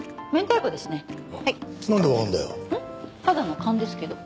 ただの勘ですけど。